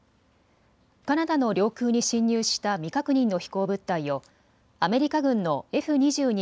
カナダの領空に侵入した未確認の飛行物体をアメリカ軍のＦ２２